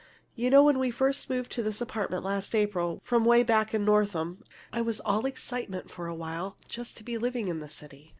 "You know, when we first moved to this apartment, last April, from 'way back in Northam, I was all excitement for a while just to be living in the city.